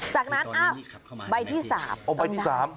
จากนั้นอ้าวใบที่๓ต้องได้